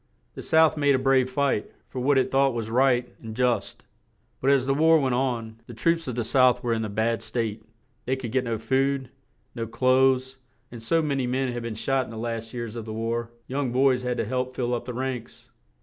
The South made a brave fight, for what it thought was right and just; but as the war went on, the troops of the South were in a bad state; they could get no food, no clothes, and so ma ny men had been shot that in the last years of the war young boys had to help fill up the ranks.